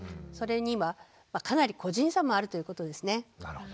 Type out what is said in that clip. それにはかなり個人差もあるということですね。